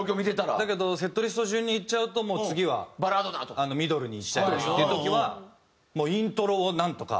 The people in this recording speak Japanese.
だけどセットリスト順にいっちゃうともう次はミドルにしちゃいますっていう時はイントロをなんとか。